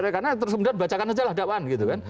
iya karena terus baca kan aja lah dawan gitu kan